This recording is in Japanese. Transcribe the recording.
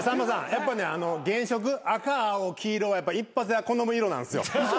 やっぱ原色赤青黄色は一発屋好む色なんですよ。